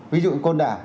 ví dụ như côn đảng